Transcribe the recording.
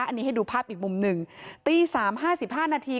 อันนี้ให้ดูภาพอีกมุมหนึ่งตีสามห้าสิบห้านาที